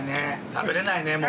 食べれないね、もう。